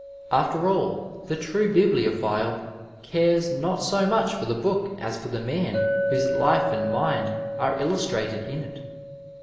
After all, the true bibliophile cares not so much for tiie book as for the man whose life and mind are illustrated in it.